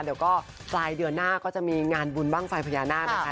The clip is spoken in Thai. เดี๋ยวก็ปลายเดือนหน้าก็จะมีงานบุญบ้างไฟพญานาคนะคะ